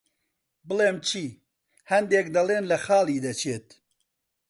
بڵێم چی، هەندێک دەڵێن لە خاڵی دەچێت.